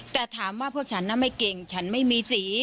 แต่ถามว่าพวกฉันน่ะไม่เก่งฉันไม่มีสี